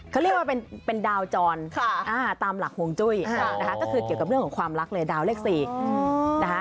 เขาเรียกว่าเป็นดาวจรตามหลักฮวงจุ้ยนะคะก็คือเกี่ยวกับเรื่องของความรักเลยดาวเลข๔นะคะ